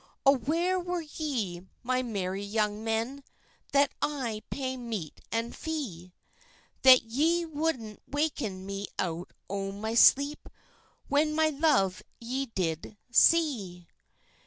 "O where were ye, my merry young men That I pay meat and fee, That ye woudna waken me out o' my sleep When my love ye did see?"